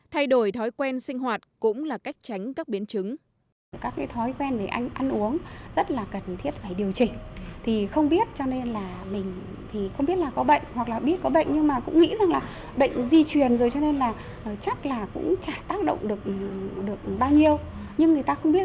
thay đổi thói quen sinh hoạt cũng là cách tránh các biến chứng